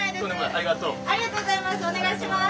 ありがとうございます。